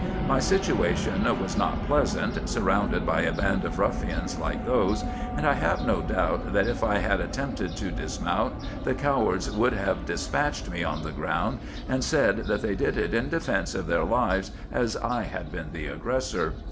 My situation was not pleasant, sur rounded by a band of ruffians like those, and I have no doubt that if I had attempted to dismount, the cowards would have despatched me on the ground, and said that they did it in defence of their lives, as I had been the aggressor.